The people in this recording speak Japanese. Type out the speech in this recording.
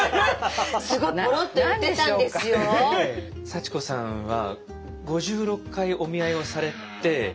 幸子さんは５６回お見合いをされて。